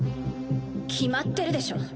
決まってるでしょ。